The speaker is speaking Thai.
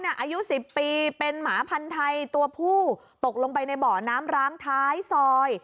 อายุ๑๐ปีเป็นหมาพันธุ์ไทยตัวผู้ตกลงไปในเบาะน้ำร้างท้ายซอย